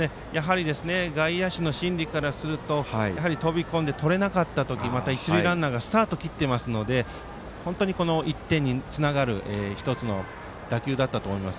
外野手の心理からするとやはり飛び込んでとれなかった時また一塁ランナーがスタートを切っていますので１点につながる１つの打球だったと思います。